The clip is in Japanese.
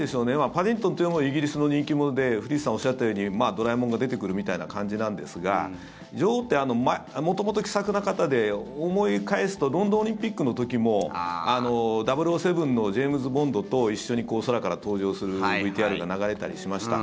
パディントンというのはイギリスの人気者で古市さんがおっしゃったようにドラえもんが出てくるみたいな感じなんですが女王って元々、気さくな方で思い返すとロンドンオリンピックの時も「００７」のジェームズ・ボンドと一緒に空から登場するＶＴＲが流れたりました。